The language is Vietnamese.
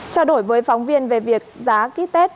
chào đổi với phóng viên về việc giá ký test nhanh covid một mươi chín